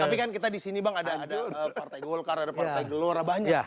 tapi kan kita di sini bang ada partai golkar ada partai gelora banyak